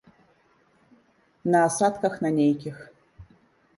На асадках на нейкіх.